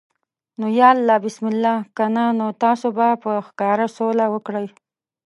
نو یا الله بسم الله، کنه نو تاسو باید په ښکاره سوله وکړئ.